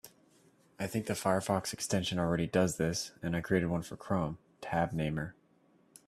I think the Firefox extension already does this, and I created one for Chrome, Tab Namer.